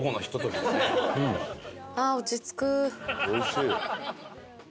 おいしい。